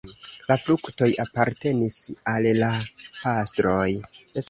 La fruktoj apartenis al la pastroj.